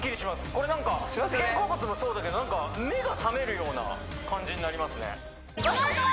これなんか肩甲骨もそうだけどなんか目が覚めるような感じになりますね